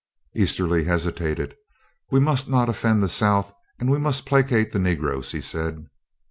Easterly hesitated. "We must not offend the South, and we must placate the Negroes," he said.